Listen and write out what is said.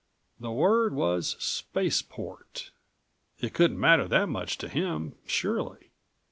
The word was "spaceport." It couldn't matter that much to him, surely.